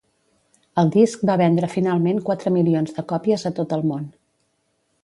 El disc va vendre finalment quatre milions de còpies a tot el món.